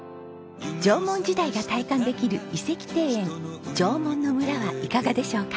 縄文時代が体感できる遺跡庭園縄文の村はいかがでしょうか？